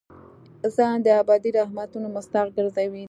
ځان د ابدي رحمتونو مستحق ګرځول دي.